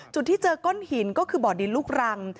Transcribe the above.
จุดที่เจอก้อนหินก็คือบ่อดินลูกรัง